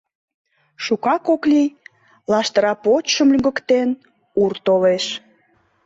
Шукак ок лий, лаштыра почшым лӱҥгыктен, ур толеш.